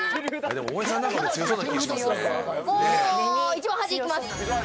一番端行きます。